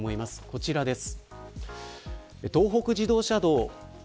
こちらです。